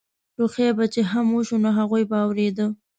ټوخی به چې هم وشو نو هغوی به اورېده.